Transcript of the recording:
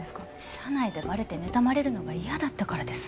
社内でバレて妬まれるのが嫌だったからです